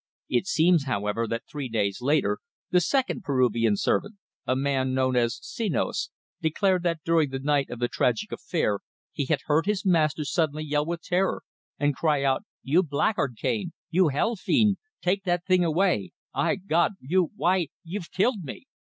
"It seems, however, that three days later, the second Peruvian servant a man known as Senos declared that during the night of the tragic affair he had heard his master suddenly yell with terror and cry out 'You blackguard, Cane, you hell fiend; take the thing away. Ah! God! You why, you've killed me!'"